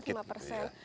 iya masih di atas sedikit